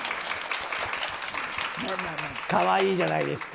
かわいいじゃないですか。